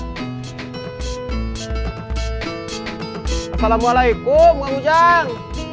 assalamualaikum kang ujang